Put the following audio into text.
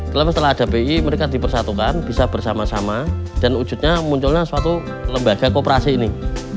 tetapi setelah ada bi mereka dipersatukan bisa bersama sama dan wujudnya munculnya suatu lembaga kooperasi ini